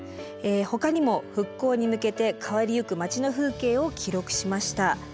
ほかにも復興に向けて変わりゆく町の風景を記録しました。